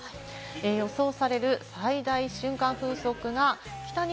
予想される最大瞬間風速です。